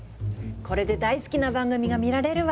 これで大好きな番組が見られるわ！